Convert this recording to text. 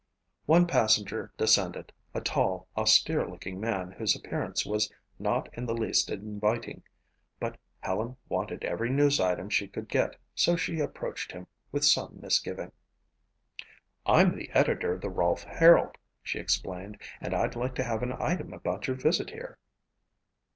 One passenger descended, a tall, austere looking man whose appearance was not in the least inviting but Helen wanted every news item she could get so she approached him, with some misgiving. "I'm the editor for the Rolfe Herald," she explained, "and I'd like to have an item about your visit here."